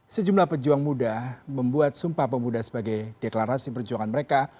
sejumlah pejuang muda membuat sumpah pemuda sebagai deklarasi perjuangan mereka